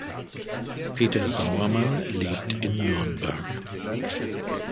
Peter Sauermann lebt in Nürnberg.